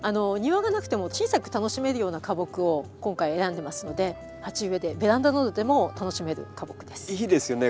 庭がなくても小さく楽しめるような花木を今回選んでますので鉢植えでベランダなどでも楽しめる花木です。